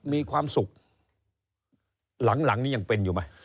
มีความสุขหลังนี้ยังเป็นอยู่ไหม